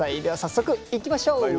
では早速いきましょう。